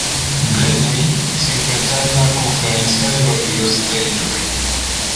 Blenheim se encuentra en la confluencia de los ríos Taylor.